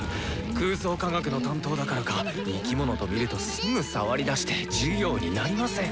空想科学の担当だからか生き物と見るとすぐ触りだして授業になりません。